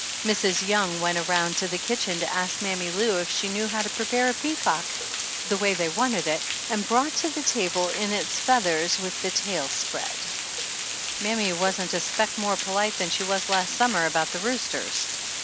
Mrs. Young went around to the kitchen to ask Mammy Lou if she knew how to prepare the peacock the way they wanted it and brought to the table in its feathers with the tail spread. 110 THE ANNALS OF ANN Mammy wasn't a speck more polite than she was last summer about the roosters.